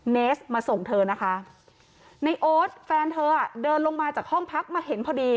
เนสมาส่งเธอนะคะในโอ๊ตแฟนเธออ่ะเดินลงมาจากห้องพักมาเห็นพอดี